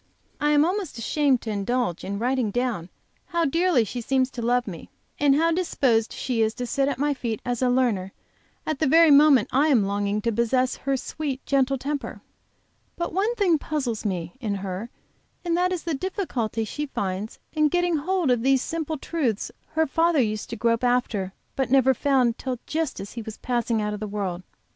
I am almost ashamed to indulge in writing down how dearly she seems to love me, and how disposed she is to sit at my feet as a learner at the very moment I am longing to possess her sweet, gentle temper. But one thing puzzles me, in her, and that is the difficulty she finds in getting hold of these simple truths her father used to grope after but never found till just as he was passing out of the world.